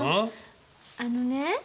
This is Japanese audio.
あのね